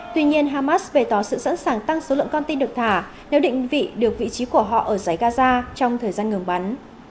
tuy nhiên hamas bề tỏ sự sẵn sàng tăng số lượng con tin được thả nếu định vị được vị trí của họ ở giải gaza trong thời gian ngừng bắn